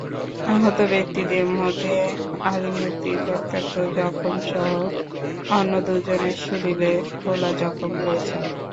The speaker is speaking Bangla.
আহত ব্যক্তিদের মধ্যে আলিমুদ্দিন রক্তাক্ত জখমসহ অন্য দুজনের শরীরে ফোলা জখম রয়েছে।